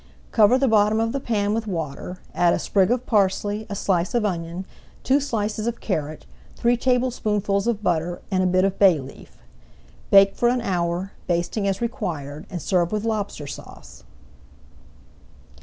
Cover the bottom of the pan with water, add a sprig of parsley, a slice of onion, two slices of carrot, three tablespoonfuls of butter, and a bit of bay leaf. Bake for an hour, basting as required, and serve with Lobster Sauce.